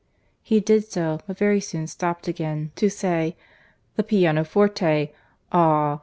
He did so, but very soon stopt again to say, "the pianoforte! Ah!